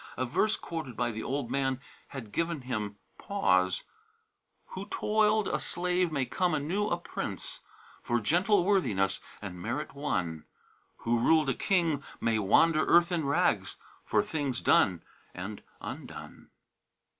A verse quoted by the old man had given him pause: "Who toiled a slave may come anew a prince For gentle worthiness and merit won; Who ruled a king may wander earth in rags For things done and undone."